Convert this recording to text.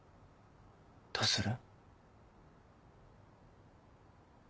どうする？